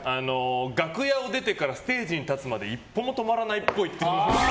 楽屋を出てからステージに立つまで１歩も止まらないっぽい。